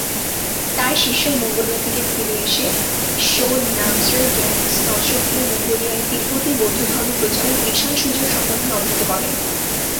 তার শিষ্য মঙ্গোলিয়া থেকে ফিরে এসে ব্সোদ-নাম্স-র্গ্যা-ম্ত্শোকে মঙ্গোলিয়ায় তিব্বতী বৌদ্ধধর্ম প্রচারের বিশাল সুযোগ সম্বন্ধে অবহিত করেন।